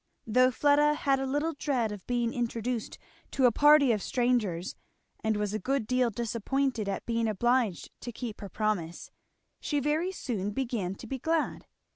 Though Fleda had a little dread of being introduced to a party of strangers and was a good deal disappointed at being obliged to keep her promise, she very soon began to be glad.